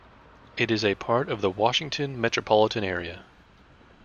It is a part of the Washington metropolitan area.